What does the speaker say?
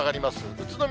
宇都宮、